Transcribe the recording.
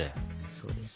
そうです。